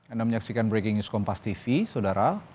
anda menyaksikan breaking news kompas tv saudara